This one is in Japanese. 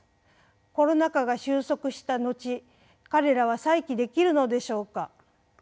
コロナ禍が収束した後彼らは再起できるのでしょうか？